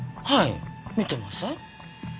はい見てません。